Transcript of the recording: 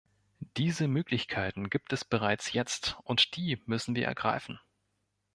Diese Möglichkeiten gibt es bereits jetzt, und die müssen wir ergreifen.